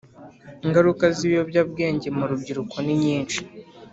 . Ingaruka z’ibiyobyabwenge mu rubyiruko ni nyinshi